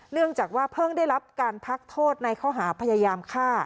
เนื่องจากว่าเพิ่งได้รับการพักโทษในข้อหาพยายามฆ่า